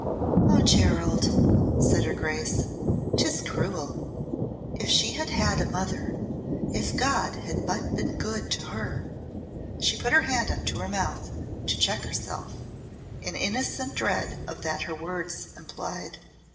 "Oh, Gerald," said her Grace, "'tis cruel. If she had had a mother if God had but been good to her " she put her hand up to her mouth to check herself, in innocent dread of that her words implied.